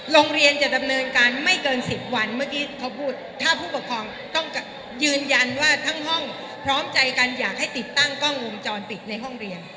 โรงเรียนจะดำเนินการไม่เกิน๑๐วันเมื่อกี้เขาพูดถ้าผู้ปกครองต้องยืนยันว่าทั้งห้องพร้อมใจกันอยากให้ติดตั้งกล้องวงจรปิดในห้องเรียน